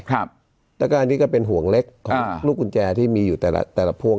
แล้วก็อันนี้ก็เป็นห่วงเล็กของลูกกุญแจที่มีอยู่แต่ละพวง